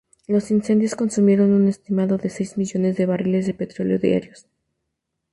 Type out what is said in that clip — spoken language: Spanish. Los incendios consumieron un estimado de seis millones de barriles de petróleo diarios.